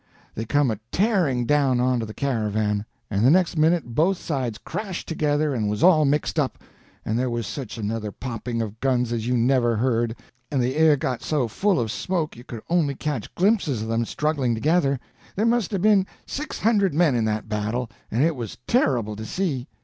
They come a tearing down on to the caravan, and the next minute both sides crashed together and was all mixed up, and there was such another popping of guns as you never heard, and the air got so full of smoke you could only catch glimpses of them struggling together. There must 'a' been six hundred men in that battle, and it was terrible to see.